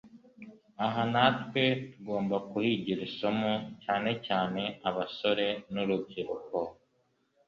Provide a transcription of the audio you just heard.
aha natwe twese tugomba kuhigira isomo, cyane cyane abasore n'urubyiruko